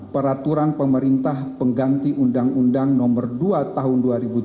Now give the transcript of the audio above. peraturan pemerintah pengganti undang undang nomor dua tahun dua ribu tujuh belas